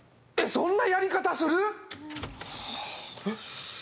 そんなやり方する！？